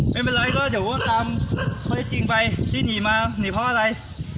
เป็นอะไรก็จะ้วนตามความสงสารจริงไป